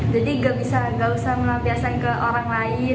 jadi nggak usah melapiasan ke orang lain